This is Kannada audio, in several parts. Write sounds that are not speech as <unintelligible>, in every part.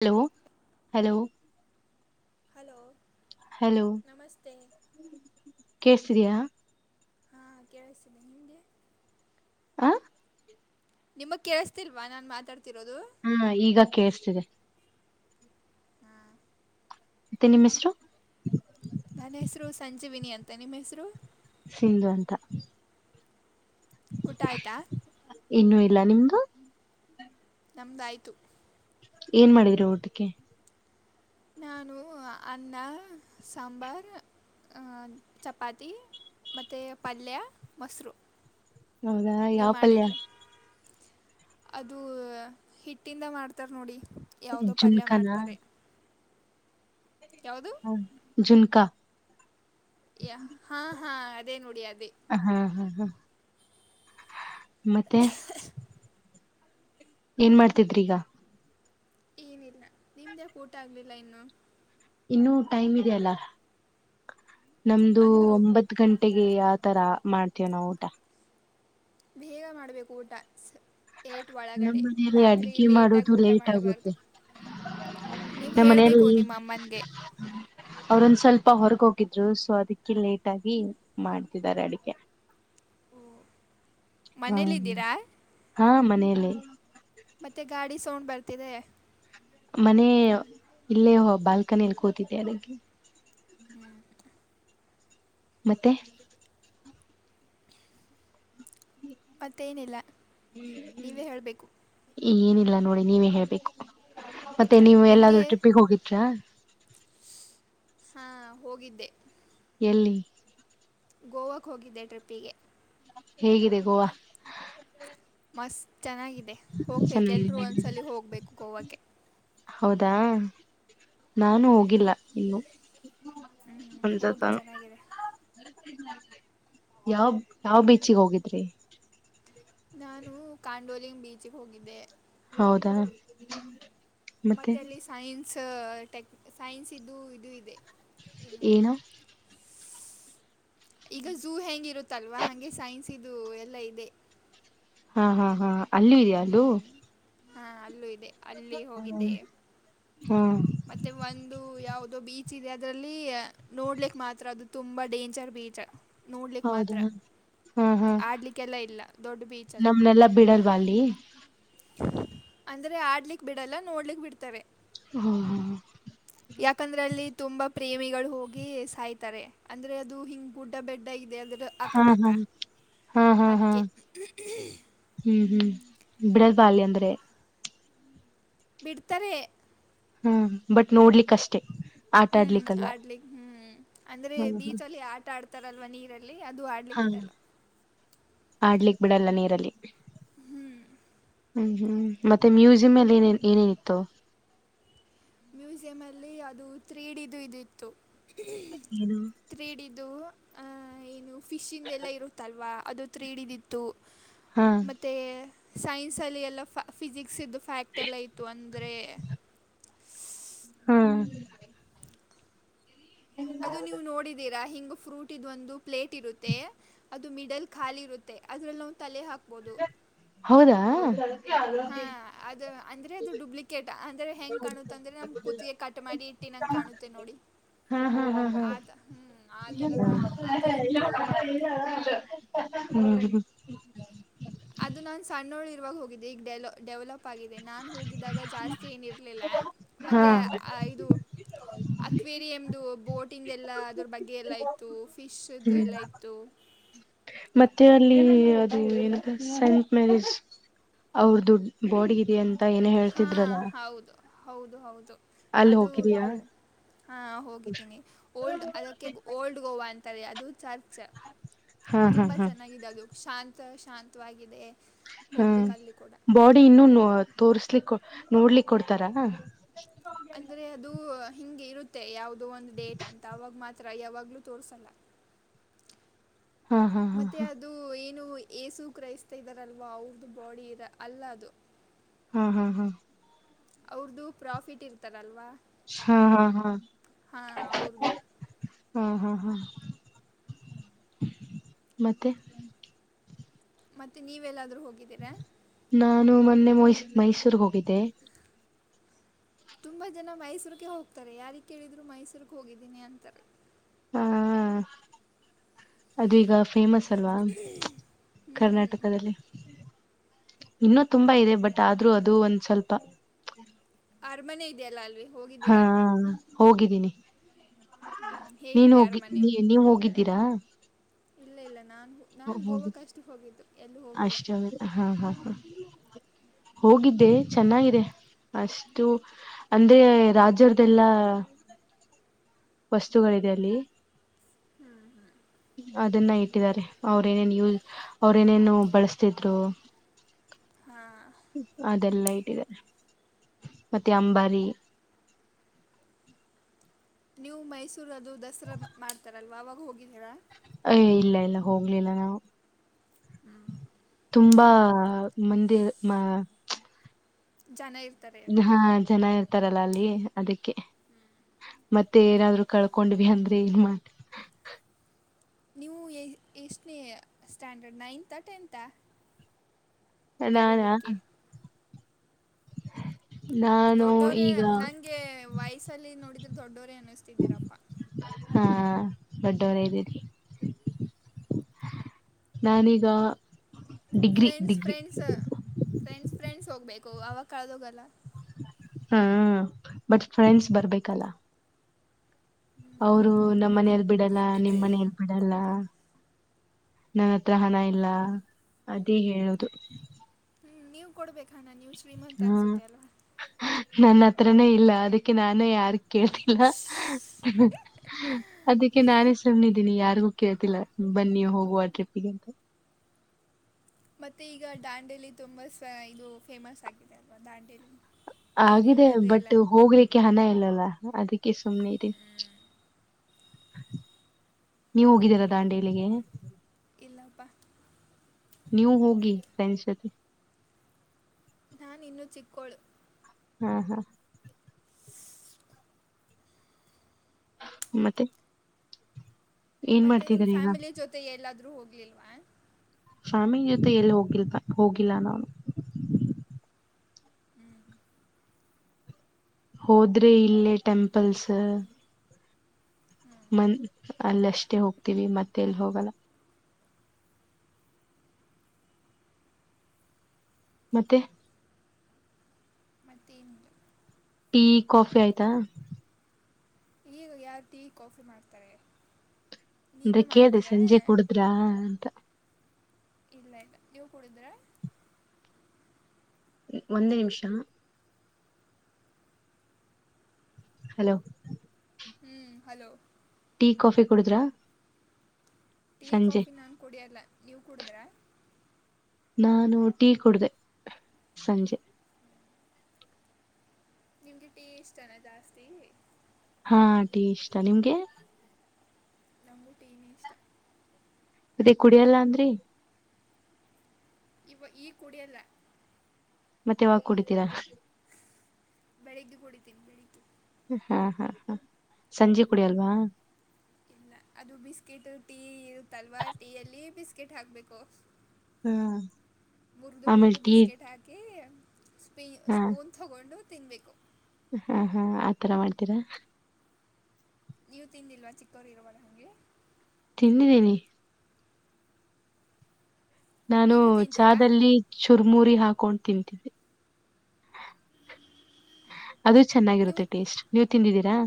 ಹಲೋ. ಹಲೋ. ಹಲೋ ಹಲೋ ನಮಸ್ತೆ. ಸಿದಿಯ <unintelligible> ಹಾ ಕೇಳಿಸ್ತಿದೆ ನಿಮ್ಗೆ? ಆ ನಿಮಗ್ ಕೇಳಸ್ತಿಲ್ವಾ ನಾನ್ ಮಾತಾಡ್ತಿರೋದು. ಹಾ ಈಗ ಕೇಳಿಸ್ತಿದೆ. ಹಾಂ ಮತ್ತೆ ನಿಮ್ ಹೆಸರು ನನ್ನ ಹೆಸರು ಸಂಜೀವಿನಿ ಅಂತ, ನಿಮ್ ಹೆಸರು? ಶೀಲಾ ಅಂತ. ಊಟ ಆಯ್ತಾ ಇನ್ನುೂ ಇಲ್ಲ ನಿಮ್ದು ನಮ್ದಾಯ್ತು. ಏನ್ ಮಾಡಿದ್ರಿ ಊಟಕ್ಕೆ ನಾನು ಅನ್ನ ಸಾಂಬಾರ್, ಅ ಚಪಾತಿ ಮತ್ತೆ ಪಲ್ಯ ಮೊಸರು. ಹೌದಾ ನೀವು ಯಾವ್ ಪಲ್ಯ ಮಾಡಿಲ್ಲ ಅದು ಹಿಟ್ಟಿಂದ ಮಾಡ್ತಾರ ನೋಡಿ. ಯಾವುದೋ ಅದೇನ್ ಪಲ್ಯ ಜುಮಕನ ಮಾಡ್ತಾರೆ <unintelligible> ಯಾವುದು ಹಾ, ಜುಲ್ಕಾ. ಯ ಹಾ ಹಾ ಅದೇ ನೋಡಿ ಅ ಹಾ ಹಾ ಹಾ, ಮತ್ತೆ ಏನ್ ಮಾಡ್ತಿದ್ರಿ ಈಗ? ಏನಿಲ್ಲ ನಿಮ್ದ್ ಯಾಕ್ ಊಟ ಆಗ್ಲಿಲ್ಲ ಇನ್ನು. ಇನ್ನೂ ಟೈಮ್ ಇದೆಯಲ್ಲ. ನಮ್ದು ಅಂದರು ಒಂಬತ್ ಗಂಟೆ. <unintelligible> ಲ್ಲಿ ಆ ತರ ಮಾಡ್ತೀವಿ ನಾವು ಊಟ. ಬೇಗ ಮಾಡ್ಬೇಕು ಊಟ. ಏಟ್ ನಮ್ಮ ಒಳಗಡೆ ಮನೆಯಲ್ಲಿ ರಾತ್ರಿ ಅಡ್ಗೆ ಲೇಟಾಗಿ ಮಾಡೋದು ಊಟ ಲೇಟ್ ಮಾಡಬಾರ್ದು ಆಗುತ್ತೆ ನೀವು ನಮ್ಮ ಹೇಳಬೇಕು ಮನೆಯಲ್ಲಿ ನಿಮ್ಮ ಅಮ್ಮನಿಗೆ ಅವ್ರೊಂದ್ ಸ್ವಲ್ಪ ಹೊರಗ ಹೋಗಿದ್ರು ಸೊ ಅದಕ್ಕೆ ಲೇಟ್ ಆಗಿ ಮಾಡ್ತಿದ್ದಾರೆ ಅಡಿಗೆ ಹ್ಮ ಮನೇಲ್ಲಿದ್ದೀರಾ ಹಾ ಮನೇಯಲ್ಲಿ. ಗಾಡಿ ಸೌಂಡ್ ಬರ್ತಿದೆ. ಮನೆ ಇಲ್ಲೇ ಬಾಲ್ಕನಿಯಲಿ ಕೂತಿದ್ದೆ ಅದಕ್ಕೆ. ಹೂಂ ಮತ್ತೆ ಮತ್ತೇನಿಲ್ಲ ನೀವೇ ಹೇಳ್ಬೇಕು. ಏನಿಲ್ಲ ನೋಡಿ ನೀವೇ ಹೇಳ್ಬೇಕು. ಮತ್ತೆ ನೀವು ನಿಮಗೆ ಎಲ್ಲಾದ್ರೂ ಟ್ರಿಪ್ಪಿಗ್ ಹೋಗಿದ್ರಾ? ಹಾ ಹೋಗಿದ್ದೆ. ಎಲ್ಲಿ? ಗೋವಾಕ್ ಹೋಗಿದ್ದೆ ಟ್ರಿಪ್ಪಿಗೆ ಹೇಗಿದೆ ಗೋವಾ? ಮಸ್ತ್ ಚೆನ್ನಾಗಿದೆ ಹೋಗ್ಬೇಕು ಎಲ್ರೂ ಚೆನ್ನಾಗಿದೆ ಒಂದ್ಸಲಿ ಹೋಗ್ಬೇಕು ಗೋವಾಕ್ಕೆ. ಹೌದಾ ನಾನು ಹೋಗಿಲ್ಲ ಇನ್ನು ಹ್ಮ್ ಹೋಗಿ ಚೆನ್ನಾಗಿದೆ. ಯಾವ್ ಯಾವ್ ಬೀಚಿಗೆ ಹೋಗಿದ್ರಿ? ನಾನು ಕಾಂಡೋಲಿಂಗ್ ಬೀಚ್ಗೆ ಹೋಗಿದ್ದೆ. ಹೌದಾ ಮತ್ತೆ ಅಲ್ಲಿ ಸೈನ್ ಸ ಟೆಕ್ ಸೈನ್ಸ್ ಇದು ಇದು ಇದೆ. ಏನು? ಈಗ ಝೂ ಹೆಂಗಿರು ತಲ್ವಾ ಹಂಗೆ ಸೈನ್ಸ್ ಇದು ಎಲ್ಲಾ ಇದೆ. ಆ ಹಾ ಹಾ ಹಾ ಅಲ್ಲು ಇದೆಯಾ ಅದು ಹಾ ಅಲ್ಲೂ ಇದೆ. ಅಲ್ಲಿ ಹೋಗಿದೆ <unintelligible> ಹಾ ಮತ್ತೆ ಒಂದು ಯಾವ್ ಅದು ಬೀಚ್ ಇದೆ ಅದ್ರಲ್ಲಿ ನೋಡ್ಲಿಕ್ ಮಾತ್ರ ಅದು ತುಂಬಾ ಡೇಂಜರ್ ಬೀಚ್. ನೋಡ್ಲಿಕ್ಕೆ ಹೌದ ಮಾತ್ರ ಹಾ ಹಾ <unintelligible> ಆಡಲಿಕ್ಕೆಲ್ಲ ಇಲ್ಲ ದೊಡ್ಡ ಬೀಚ್ ನಮ್ನೆಲ್ಲಾ ಬಿಡಲ್ವಾ ಅಲ್ಲಿ. ಅಂದ್ರೆ ಆಡ್ಲಿಕ್ ಬಿಡಲ್ಲ ನೋಡ್ಲಿಕ್ ಬಿಡ್ತರೆ. ಹ ಹ ತುಂಬಾ ಪ್ರೇಮಿಗಳು ಹೋಗಿ ಸಾಯ್ತಾರೆ ಅಂದ್ರೆ ಅದು ಹಿಂಗ್ ಗುಡ್ಡ ಬೆಡ್ಡ ಇ ಹಾ ಹಾ ಹಾ ಹಾ ಹಾ ಅದಕ್ಕೆ <unintelligible> ಹ್ಮ್ ಹ್ಮ್ ಬ್ರೇಸ್ ಬಾಲ್ಯ ಅಂದ್ರೆ ಬಿಡ್ತರೆ ಹ್ಮ ಬಟ್ ನೋಡ್ಲಿಕ್ಕಷ್ಟೇ. ಹ್ಮ್ ಆಡ್ಲಿಕ್ ಹ್ಮ್ ಅಂದ್ರೆ ಬೀಚಲ್ಲಿ ಆಟ ಆಡ್ ತರಲ್ವ ನೀರಲ್ ಲ್ಲಿ ಅದು ಆಡ್ಲಿಕ್ ಹಾ ಬಿಡಲ್ಲ. ಆಡ್ಲಿಕ್ ಬಿಡಲ್ಲ ನೀರಲ್ಲಿ. ಹ್ಮ್ ಹ್ಮ್ ಮತ್ತೆ ಮ್ಯೂಸಿಯಂಲ್ಲಿ ಏನೇನ್ ಏನೇನಿತ್ತು? ಮ್ಯೂಸಿಯಂ ಅಲ್ಲಿ ಅದು ತ್ರಿಡಿದು ಇದಿತ್ತು. ಏನು ತ್ರಿಡಿದು. ಫಿಶ್ ಇಂದ ಎಲ್ಲ ಇರುತ್ತಲ್ವಾ? ಅದು ತ್ರೀಡಿದಿತ್ತು. ಹಾ ಮತ್ತೆ ಸೈನ್ಸ್ ಅಲ್ಲಿ ಎಲ್ಲಫ ಫಿಸಿಕ್ಸ್ ದ್ದು ಫ್ಯಾಕ್ಟ್ ಎಲ್ಲ ಇತ್ತು. ಅಂದರೆ, ಹ್ಮ ಅದು ನೀವು ನೋಡಿದೀರಾ? ಹಿಂಗ ಫ್ರೂಟ್ ಇದು ಒಂದು ಪ್ಲೇಟ್ ಇರುತ್ತೆ ಅದು ಮಿಡಲ್ ಖಾಲಿ ಇರುತ್ತೆ ಅದ್ರಲ್ಲಿ ನಾವು ತಲೆ ಹಾಕ ಹೌದಾ? ಹಾ ಅದು ಅಂದ್ರೆ ಅದು ಡುಪ್ಲಿಕೇಟ್. ಹೆಂಗ್ ಕಾಣುತ್ತ ಅಂದ್ರೆ ನಮ ಕುತ್ತಿಗೆ ಕಟ್ ಮಾಡಿ ಇಟ್ಟಿ ನಂಗ ಕಾಣುತ್ತೆ ನೋಡಿ ಹಾ ಹಾ ಹಾ ಹಾ ಆತ ಹ್ಮ್ ಆತರ ಕಾಣತ್ತೆ ಅದು ಇತ್ತು. ಹ್ಮ್ ಹ್ಮ್ ಅದು ನಾನ್ ಸಣ್ಣೋಳ ಇರುವಾಗ ಹೋಗಿದ್ದೆ ಈಗ ಡೆಲ ಡೆವಲಪ್ ಪಾಗಿದೆ. ನಾನು ಹೋಗಿದಾಗ ಜಾಸ್ತಿ ಏನಿ ಇರ್ಲಿಲ್ಲ. ಹಾ ಮತ್ತೆ ಅ ಇದು ಅಕ್ವೇರಿಯಂದು ಬೋಟಿಂಗ ಎಲ್ಲ ಅದ್ರ ಬಗ್ಗೆ ಎಲ್ಲ ಇತ್ತು. ಫಿಶ್ದು ಹ್ಮ್ ಎಲ್ಲ ಇತ್ತು ಮತ್ತೆ ಅಲ್ಲಿ ಅದು ಏನ ಸೈಂಟ್ ಮೇರೀಸ್ ಅವ್ರದು ಬಾಡಿ ಇದೆ ಅಂತ. ಏನ ಹೇಳ್ತಿದ್ರಲ್ಲ. ಹಾಂ ಹೌದು ಹೌದು ಹೌದು. ಅಲ್ಲಿ ಅದು ಹೋಗಿದೀಯಾ ಇದು ಹಾ ಹೋಗಿದ್ದೀನಿ. ಓಲ್ಡ್ ಅದಕ್ಕೆ ಓಲ್ಡ್ ಗೋವಾ ಅಂತ. ತಾರೆ ಅದು. ಚರ್ಚ್ ಹಾ ಹಾ ತುಂಬಾ ಹಾ ಚೆನ್ನಾಗಿದೆ. ಅದು ಶಾಂತ ಶಾಂತವಾಗಿದೆ. ಹ್ಮ ಹೋಗ್ಬೇಕು ಅಲ್ಲಿ ಕೂಡ ಬಾಡಿ ಇನ್ನುೂನೋ ತೋರ್ಸ್ಲಿಕ್ಕ ನೋಡ್ಲಿಕ್ಕೆ ಕೊಡ್ತಾರಾ? ಅಂದ್ರೆ ಅದು ಹಿಂಗೆ ಇರುತ್ತೆ ಯಾವುದೋ ಒಂದು ಡೇಟ್ ಅಂತ ಅವಾಗ ಮಾತ್ರ. ಯಾವಾಗ್ಲೂ ತೋರ್ರಿಸಲ್ಲ. ಹಾ ಹಾ ಹಾ ಮತ್ತೆ ಅದು ನೀನು ಏಸು ಕ್ರೈಸ್ತ ಇದಾರಲ್ವಾ ಅವ್ರ್ದ ಬಾಡಿ ಅಲ್ಲ ಅದು. ಹಾ ಹಾ ಹಾ ಅವ್ರ್ದು ಪ್ರಾಫಿಟ್ ಇರ್ತಾರಲ್ವಾ? ಹಾ ಹಾ ಹಾಂ ಹಾ ಅವ್ರದ್ದು ಹಾಂ ಹಾಂ ಹಾಂ ಮತ್ತೆ ಮತ್ತೆ ನೀವೆಲ್ಲಾದ್ರ ನಾನು ಮ ಮೊನ್ನೆ ಮ ಮೈಸೂರ್ ಹೋಗಿದ್ದೆ ತುಂಬಾ ಜನಾ ಮೈಸೂರ್ಕೆ ಹೋಗ್ತಾರೆ ಯಾರಿಗ ಕೇಳಿದ್ರು ಮೈಸೂರ್ಕ ಹೋಗಿದ್ದೀನಿ ಅಂತಾರೆ ಹಾ ಅದು ಈಗ ಫೇಮಸ್ ಅಲ್ವಾ ಹ್ಞೂ ಕರ್ನಾಟಕದಲ್ಲಿ ಇನ್ನೂ ತುಂಬಾ ಇದೆ ಬಟ್ ಆದ್ರೂ ಅದುೂ ಒಂದ್ ಸ್ವಲ್ಪ ಅರಮನೆ ಇದೆಯಲ್ಲಾ ಅಲ್ವಿ ಹಾ ಹೋಗಿದ್ ಈ ನೀ ಹ್ಮ್, ನೀನು ಹೇಗಿದೆ ಹೋಗಿ ಅರಮನೆ ನೀ ನೀವು ಹೋಗಿ ತಿರಾ ಇಲ್ಲ ಇಲ್ಲ ನಾನು ಹು ನಾನ್ ಗೋವಾಕ ಅಷ್ಟೇ ಹೋಗಿದ್ದು ಎಲ್ಲೂ ಹೋಗಿಲ್ಲ ಅಷ್ಟೇ ಹಾ ಹಾ ಹಾ ಹೋಗಿದ್ದೆ ಚೆನ್ನಾಗಿದೆ ಅಷ್ಟು ಅಂದೆ ರಾಜ್ರದೆಲ್ಲಾ ವಸ್ತುಗಳಿದೆ ಅಲ್ಲಿ ಹ್ಮ ಹ್ಮ ಅದನ್ನ ಇಟ್ಟಿದ್ದಾರೆ ಅವ್ರೇಏನೇನ್ ಯೂಸ್ ಅವ್ರ ಏನೇನು ಬಳಸ್ತಿದ್ರು ಹಾಂ ಅದೇಲ್ಲಾ ಮತ್ತೆ ಅಂಬಾರಿ ನೀವ್ ಮೈಸ್ ಅದು ದಸರಾ ಮಾಡ್ತಾರಲ್ವಾ ಅವಾಗ ಹೋಗಿ ಹೇಳಾ ಐ ಇಲ್ಲ ಇಲ್ಲ ಹೋಗ್ಲಿಲ್ಲ ನಾವು ಹ್ಮ ತುಂಬಾ ಮಂದಿ ಮಾ ಜನಾ ಇರ್ ಹಾ ಜನಾ ಇರ್ ತಾರಲ್ಲ ಅಲ್ಲಿ ಅದಿಕ್ಕೆ ಮತ್ತೆ ಏನಾದ್ರು ಕಳ್ಕೊಂಡ್ವಿ ಅಂದ್ರೆ ಏನ್ ಮಾಡ ನೀವು ಏ ಎಷ್ಟನೇ ಸ್ಟ್ಯಾಂಡರ್ಡ್ ನೈಂತಾ ಟೆಂತಾ ನಾನಾ ಕಳೀಲಿಕ್ಕೆ ದೊಡ್ಡೋರೇ ಈಗ ನಂಗೆ ವಯಸಲ್ಲಿ ನೋಡಿದ್ರೆ ದೊಡ್ಡೋರೇ ಅನಿಸ್ತಿದ್ದೀರಪ್ಪಾ ದೊಡ್ಡೊವ್ರೆ ಇದ್ದೀನಿ ನಾನೀಗ ಡಿಗ್ರಿ ಫ್ರೆಂಡ್ಸ್ ಡಿಗ್ರಿ ಫ್ರೆಂಡ್ಸ್ ಅ ಫ್ರೆಂಡ್ಸ್ ಫ್ರೆಂಡ್ಸ್ ಹೋಗ್ಬೇಕು ಅವಾಗ ಕಳದೋಗಲ್ಲ ಹಾ ಬಟ್ ಫ್ರೆಂಡ್ಸ್ ಬರಬೇಕಲ್ಲ ಹ್ಞೂ, ಅವರು ಅದು ಇದೆ ನಮ್ಮ್ ಬಿಡಿ ಮನೆಯಲ್ಲಿ ಬಿಡಲ್ಲ ನಿಮ್ಮ್ ಮನೆಯಲ್ಲಿ ಬಿಡಲ್ಲ ನನ್ನತ್ರ ಹಣ ಇಲ್ಲ ಅದೇ ಹೇಳೋದು ಹ್ಮ ನೀವು ಕೊಡ್ಬೇಕ್ ಅಣ್ಣ ನೀ ಶ್ರೀಮಂತ ಹ್ಮ ಅನ್ಸುತ್ತೆ ಅಲ್ಲ ನನ್ನ ಹತ್ರನೇ ಇಲ್ಲ ಅದಕ್ಕೆ ನಾನೇ ಯಾರ ಕೇಳ್ತಿಲ್ಲ ಅದಕ್ಕೆ ನಾನೇ ಸುಮ್ನದ್ದೀನಿ ಯಾರಿಗೂ ಕೇಳ್ತಿಲ್ಲ ಬನ್ನಿ ಹೋಗುವ ಟ್ರಿಪ್ಪಿಗೆ ಅಂತಾ ಮತ್ತೆ ಈಗ ದಾಂಡೇಲಿ ತುಂಬಾ ಸ ಇದು ಫೇಮಸ್ ಆಗಿದೆ ಅಲ್ವಾ ದಾಂಡೇಲಿ ಆಗಿದೆ ನೀರಿಂದದು ಎಲ್ಲ ಬಟ್ ಹೋಗ್ಲಿಕ್ಕೆ ಹಣ ಇಲ್ಲಲ್ಲ ಅದಕ್ಕೆ ಸುಮ್ನೆ ಇದೀ ನೀವು ಹೋಗಿದ್ದೀರಾ ದಾಂಡೇಲಿಗೆ ಇಲ್ಲಪ್ಪ ನೀವು ಹೋಗಿ ಫ್ರೆಂಡ್ಸ್ ಜೊತೆ ನಾನ್ ಇನ್ನುೂ ಚಿಕ್ಕೋಳು ಹ್ಮ ಹಾ ಮತ್ತೆ ಏನ್ ಮತ್ತೆ ನಿಮ್ ಮಾಡ್ತಿದೀರಿ ಈಗ ಫ್ಯಾಮಿಲಿ ಜೊತೆ ಎಲ್ಲಾದೂ ರು ಹೋಗ್ಲಿಲ್ವಾ ಫ್ಯಾಮಿಲಿ ಜೊತೆ ಎಲ್ಲಿ ಹೋಗಿಲ್ತ ಹೋಗಿಲ್ಲ ನಾವು ಹೋದ್ರೆ ಇಲ್ಲೇ ಟೆಂಪಲ್ಸ್ ಮನ್ ಅಲ್ಲಷ್ಟೇ ಹೋಗ್ತೀವಿ ಮತ್ತೆ ಎಲ್ಲಿ ಹೋಗಲ್ಲ ಮತ್ತೆ ಮತ್ತೇನು ಟೀ ಕಾಫಿ ಆಯ್ತಾ ಈಗ ಯಾರಟೀ ಕಾಫಿ ಮಾಡ್ತಾರೆ ನೀವೇ ಕೇಳಿದೆ ಮಾಡ್ತೀರಾ ಸಂಜೆ ಕುೂಡುದ್ರಾ ಅಂತ ಇಲ್ಲ ಇಲ್ಲ ನೀವು ಕೂಡಿದ್ರ ಒಂದು ನಿಮಿಷ ಹಲೋ ಹ್ಞೂ ಹಲೋ ಟೀ ಕಾಫಿ ಕುಡುದ್ರಾ ಟೀ ಕಾಫಿ ನಾನು ಕುಡಿಯಲ್ಲ ನೀವು ಕುೂಡಿದ್ರ ನಾನು ಟೀ ಕುಡ್ದೆ ಸಂಜೆ ನಿಮ್್ದ ಟೇಸ್ಟ್ ಅನಾ ಜಾಸ್ತಿ ಹಾ ಟೀ ಇಷ್ಟ ನಿಮ್ಗೆ ನಮಗೂ ಟೀ ನೆಇಷ್ಟ ಅದೇ ಕುಡಿಯಲ್ಲ ಅಂದ್ರಿ ಇವ ಈ ಕುಡಿಯಲ್ಲ ಮತ್ತೆ ವಾಗ ಕುಡಿತೀರಾ ಬೆಳಿಗ್ಗೆ ಕುಡಿತೇನೆ ಬೆಳಿಗ್ಗೆ ಹಾ ಹಾ ಹಾ ಸಂಜೆ ಕುಡಿಯಲ್ವ ಇಲ್ಲ ಅದು ಬಿಸ್ಕೆಟ್ ಟೀ ಇರುತ್ತಲ್ವಾ ಟೀಯಲ್ಲಿ ಬಿಸ್ಕೆಟ್ ಹಾಕ್ಬೇಕು ಹಾ, ಮುರ್ದುು ಮುರ್ದುು ಆಮೇಲೆ ಟೀ ಬಿಿಸ್ಕಿಟ್ ಹಾಕಿ ಪೇ ಹಾ ಸ್ಪೂನ್ ತೊಗೊಂಡು <inaudible> ತಿನ್ಬೇಕು ಹಾ ಹಾ ಆತರ ಮಾಡ್ತೀರಾ ನೀವು ತಿಂದಿಲ್ವಾ ಚಿಕ್ಕೋರು ಇರುವಳ ಹಗೆ ತಿನ್ನಿದ್ದೀನಿ ನಾನು ಈಗೂ ತಿಂತೀರಾ ಚಹಾದಲ್ಲಿ ಚುರ್ಮುರಿ ಹಾಕ <inaudible> ಡ ತಿಂತಿದೆ ಅದು ನೀವು ಚೆನ್ನಾಗಿರುತ್ತೆ ಟೇಸ್ಟ್ ನೀವು ತಿಂದಿದ್ದೀರಿ <inaudible>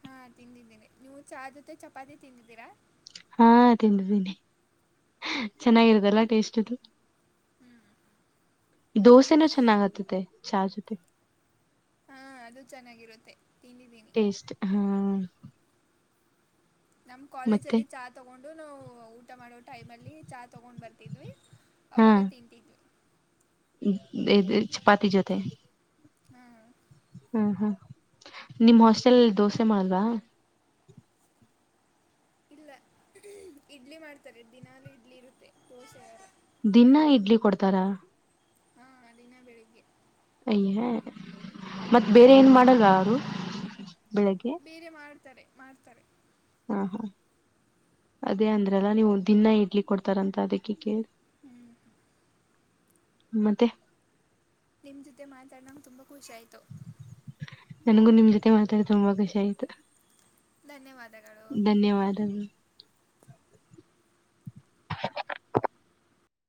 ಹಾ ತಿಂದಿದ್ದೀನಿ ನೀವು ಚಾ ಜೊತೆ ಚಪಾತಿ ತಿಂದಿದ್ದೀರಾ ಹಾ ತಿಂಡಿದ್ದೀನಿ ಚೆನ್ನಾಗಿರುದಲ್ಲ ಟೇಸ್ಟ್ು ದೋಸೆನೂ ಚೆನ್ನಾಗ್ತ್ತತೆ ಚಾ ಜೊತೆ ಹಾ ಅದು ಚೆನ್ನಾಗಿರುತ್ತೆ ತಿಂದಿದ್ದೀನಿ ಟೇಸ್ಟ್ ಹ. ನಮ್ಮ್ ಕಾಲೇಜ ಮತ್ತೆ ಅಲ್ಲಿ ಚಾ ತಗೊಂಡು ನಾವು ಊಟ ಮಾಡೋ ಟೈಮ್ ಅಲ್ಲಿ ಚಾ ತಗೊಂಡ್ ಬರ್ತಿದ್ವಿ ಅವಾಗ ತಿಂತಿದ್ವಿ. ಇದ ಇದ ಚಪಾತಿ ಜೊತೆ ಹ್ಮ್ ಹ್ಮ ಹ ನಿಮ್ ಹಾಸ್ಟೆಲ್ ಅಲ್ಲಿ ದೋಸೆ ಮಾಡಲ್ವಾ? ಇಲ್ಲ ಇಡ್ಲಿ ಮಾಡ್ತಾರೆ ದಿನಲೂ ಇಡ್ಲಿ ಇರುತ್ತೆ ದೋಸೆ ಇರಲ್ಲ ದಿನ್ನ ಇಡ್ಲಿ ಕೊಡ್ತಾರಾ? ಹಾ ದಿನ ಬೆಳಿಗ್ಗೆ. ಅಯ್ಯ ಮತ್ತ ಬೇರೆ ಏನ್ ಮಾಡಲ್ವಾ ಅವರು? ಬೆಳಿಗ್ಗೆ, ತಾರೆ ಮಾಡ್ತಾರೆ. ಹಾ ಹಾ ಅದೇ ಅಂದ್ರಲ್ಲ ನೀವು ದಿನಾ ಇಡ್ಲಿ ಕೊಡ್ತಾರಂತ ಅದಕ್ಕೆ ಕೇಳ. ಹ್ಮ್. ಮತ್ತೆ, ನಿಮ್ಮ ಜೊತೆ ಮಾತಾಡ ನಂಗ ತುಂಬಾ ಖುಷ ಆಯ್ತು. ನನಗೂ ನಿಮ್ ಜೊತೆ ಮಾತಾಡ ತುಂಬಾ ಖುಷಿ ಆಯ್ತು. ಧನ್ಯವಾದಗಳು ಧನ್ಯವಾದಗಳು.